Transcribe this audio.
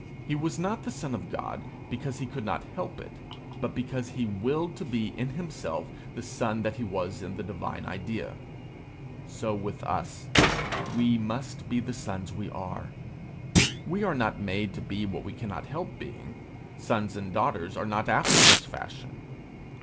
He was not the son of God because he could not help it, but because he willed to be in himself the son that he was in the divine idea. So with us: we must be the sons we are. We are not made to be what we cannot help being; sons and daughters are not after such fashion!